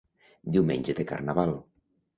Diumenge de Carnaval.